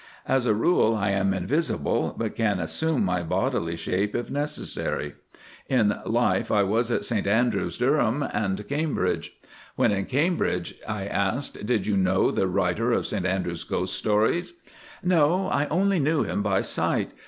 As a rule I am invisible, but can assume my bodily shape if necessary. In life I was at St Andrews, Durham, and Cambridge.' 'When in Cambridge,' I asked, 'did you know the writer of St Andrews ghost stories?' 'No, I only knew him by sight.